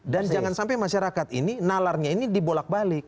dan jangan sampai masyarakat ini nalarnya ini dibolak balik